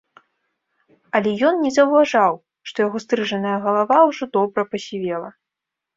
Але ён не заўважаў, што яго стрыжаная галава ўжо добра пасівела.